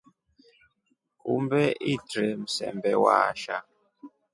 Umbe itre msembe waasha.